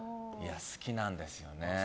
好きなんですよね。